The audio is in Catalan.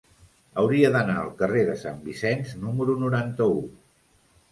Hauria d'anar al carrer de Sant Vicenç número noranta-u.